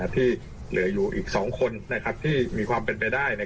ที่เหลืออยู่อีก๒คนที่มีความเป็นไปได้